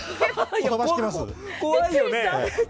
怖いよね？